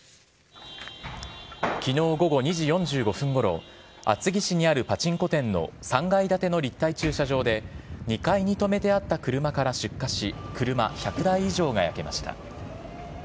きのう午後２時４５分ごろ、厚木市にあるパチンコ店の３階建ての立体駐車場で、２階に止めてあった車から出火し、車１００台以上が焼けました。